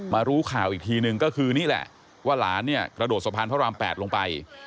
รู้ข่าวอีกทีนึงก็คือนี่แหละว่าหลานเนี่ยกระโดดสะพานพระราม๘ลงไป